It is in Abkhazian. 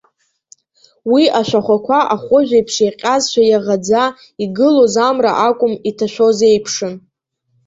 Уи ашәахәақәа ахәыжә еиԥш иаҟьазшәа иаӷаӡа, игылоз амра акәым иҭашәоз еиԥшын.